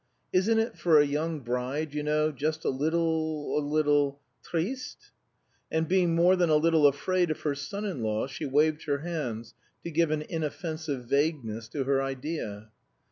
"Isn't it for a young bride, you know just a little a little triste?" And being more than a little afraid of her son in law, she waved her hands to give an inoffensive vagueness to her idea.